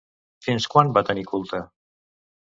Fins quan va tenir culte?